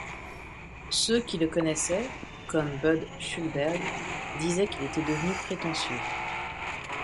Ceux qui le connaissaient, comme Budd Schulberg, disaient qu'il était devenu prétentieux.